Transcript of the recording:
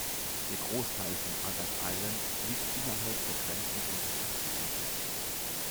Der Großteil von Adak Island liegt innerhalb der Grenzen dieses Schutzgebietes.